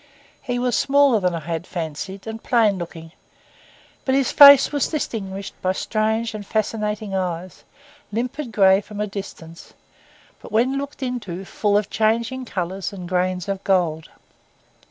He was smaller than I had fancied, and plain looking; but his face was distinguished by strange and fascinating eyes, limpid grey from a distance, but, when looked into, full of changing colours and grains of gold.